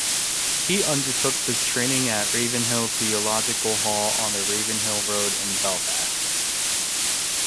He undertook this training at Ravenhill Theological Hall, on the Ravenhill Road in Belfast.